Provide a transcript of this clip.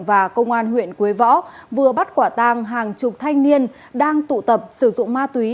và công an huyện quế võ vừa bắt quả tang hàng chục thanh niên đang tụ tập sử dụng ma túy